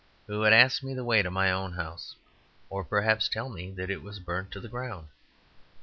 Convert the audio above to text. who would ask me the way to my own house. Or perhaps tell me that it was burnt to the ground.